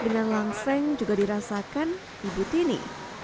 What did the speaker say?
dengan langseng juga dirasakan ibu tini